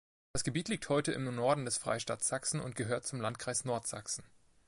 Das Gebiet liegt heute im Norden des Freistaats Sachsen und gehört zum Landkreis Nordsachsen.